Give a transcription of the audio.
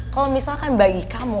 kalo misalkan bagi kamu